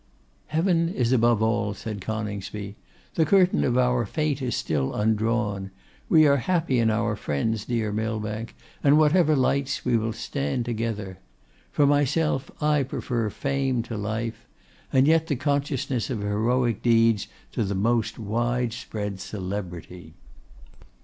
'Heaven is above all,' said Coningsby. 'The curtain of our fate is still undrawn. We are happy in our friends, dear Millbank, and whatever lights, we will stand together. For myself, I prefer fame to life; and yet, the consciousness of heroic deeds to the most wide spread celebrity.